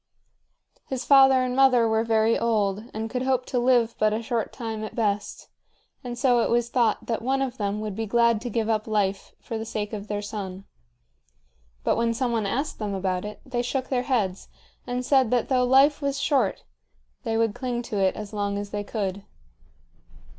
His father and mother were very old and could hope to live but a short time at best, and so it was thought that one of them would be glad to give up life for the sake of their son. But when some one asked them about it, they shook their heads and said that though life was short they would cling to it as long as they could.